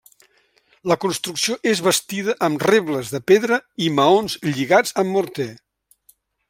La construcció és bastida amb rebles de pedra i maons lligats amb morter.